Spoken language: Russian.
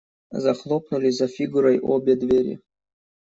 Захлопнули за Фигурой обе двери.